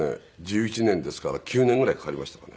１１年ですから９年ぐらいかかりましたかね。